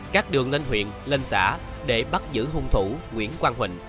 các đường lên huyện lên xã để bắt giữ hung thủ nguyễn quang huỳnh